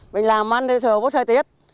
mình làm ăn thì thường bớt thời tiết